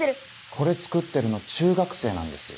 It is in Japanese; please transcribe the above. これ作ってるの中学生なんですよ。